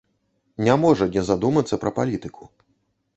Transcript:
Не можа не задумацца пра палітыку.